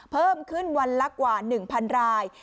เพิ่มขึ้นวันละกว่า๑๐๐ราย